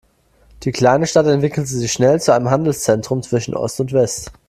Die kleine Stadt entwickelte sich schnell zu einem Handelszentrum zwischen Ost und West.